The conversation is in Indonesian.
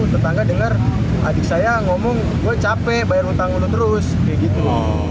tetangga dengar adik saya ngomong gue capek bayar utang ulu terus kayak gitu